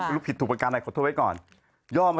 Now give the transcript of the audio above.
ลูกผิดถูกคำการล่ะ